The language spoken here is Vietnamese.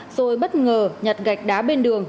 rồi bất ngờ nhặt gạch đá bên đường